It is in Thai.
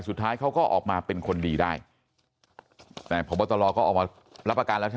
สุดท้ายเขาก็ออกมาเป็นคนดีได้เพราะบัตตลออกมารับประกาศ